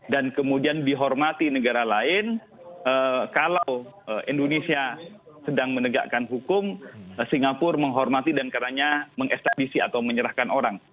dan kemudian dihormati negara lain kalau indonesia sedang menegakkan hukum singapura menghormati dan karena itu menginstabilisi atau menyerahkan orang